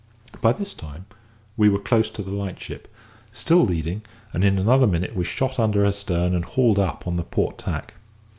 By this time we were close to the light ship, still leading, and in another minute we shot under her stern and hauled up on the port tack.